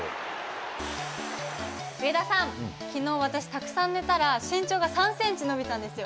上田さん、きのう、私たくさん寝たら身長が３センチ伸びたんですよ。